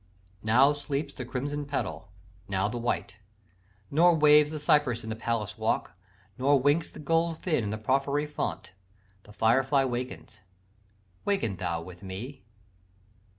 "Now sleeps the crimson petal, now the white; Nor waves the cypress in the palace walk; Nor winks the gold fin in the porphyry font: The firefly wakens: waken thou with me.